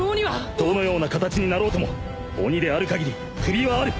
どのような形になろうとも鬼であるかぎり首はある！